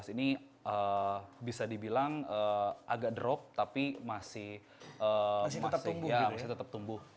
dua ribu empat belas dua ribu sebelas ini bisa dibilang agak drop tapi masih tetap tumbuh